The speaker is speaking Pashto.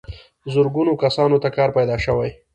زرګونو کسانو ته کار پیدا شوی.